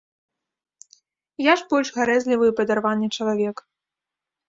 Я ж больш гарэзлівы і падарваны чалавек.